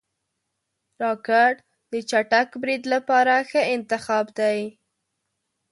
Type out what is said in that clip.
راکټ د چټک برید لپاره ښه انتخاب دی